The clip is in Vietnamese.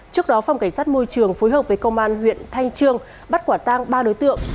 trước đó phòng cảnh sát môi trường phối hợp với công an huyện thanh trương bắt quả tang ba đối tượng